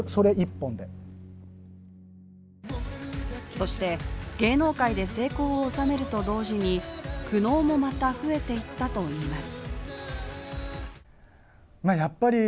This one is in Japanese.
そして芸能界で成功を収めると同時に苦悩もまた増えていったといいます。